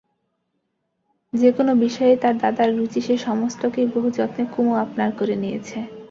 যে-কোনো বিষয়েই তার দাদার রুচি সে-সমস্তকেই বহু যত্নে কুমু আপনার করে নিয়েছে।